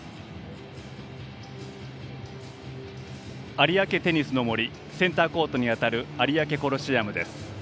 有明テニスの森センターコートにあたる有明コロシアムです。